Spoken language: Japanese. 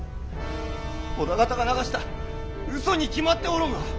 織田方が流した嘘に決まっておろうが！